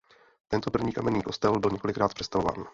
Tento první kamenný kostel byl několikrát přestavován.